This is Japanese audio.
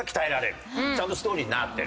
ちゃんとストーリーになってる。